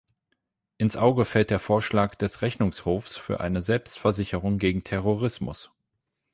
Ins Auge fällt der Vorschlag des Rechnungshofs für eine Selbstversicherung gegen Terrorismus.